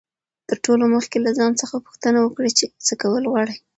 تر ټولو مخکي له ځان څخه پوښتنه وکړئ، چي څه کول غواړئ.